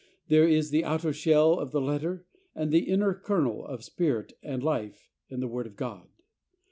There is the outer shell of the letter and the inner kernel of spirit and life in the Word of God.